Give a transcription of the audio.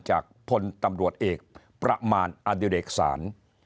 จากพลตำรวจเอกประมาณอดิเรกศาล